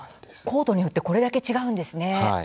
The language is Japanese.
コートによってこれだけ違うんですね。